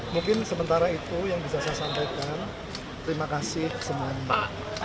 mungkin sementara itu yang bisa saya sampaikan terima kasih semuanya